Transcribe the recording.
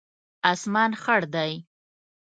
اسمان خړ دی